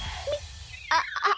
あっああ。